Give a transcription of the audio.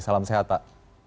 salam sehat pak